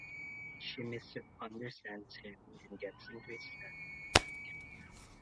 She misunderstands him and gets into his bed, naked.